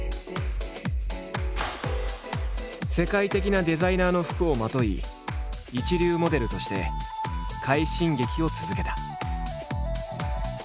世界的なデザイナーの服をまとい一流モデルとして快進撃を続けた。